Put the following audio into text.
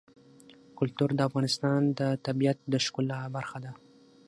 کلتور د افغانستان د طبیعت د ښکلا برخه ده.